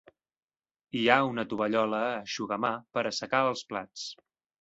Hi ha una tovallola eixugamà per assecar els plats